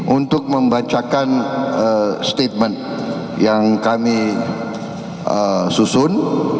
untuk membacakan statement yang kami susun